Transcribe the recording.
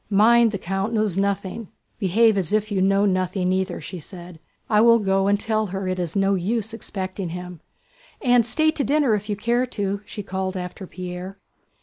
"Mind, the count knows nothing. Behave as if you know nothing either," she said. "And I will go and tell her it is no use expecting him! And stay to dinner if you care to!" she called after Pierre.